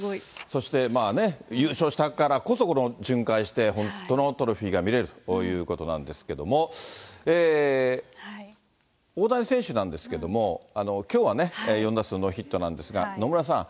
そしてまあね、優勝したからこそ巡回して、本当のトロフィーが見れるということなんですけれども、大谷選手なんですけども、きょうはね、４打数ノーヒットなんですが、野村さん、